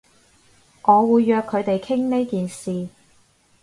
我會約佢哋傾呢件事